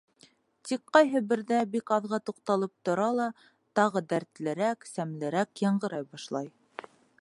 Тик ҡайһы берҙә бик аҙға туҡталып тора ла тағы дәртлерәк, сәмлерәк яңғырай башлай.